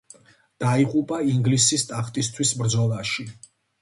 დაიღუპა ინგლისის ტახტისთვის ბრძოლაში.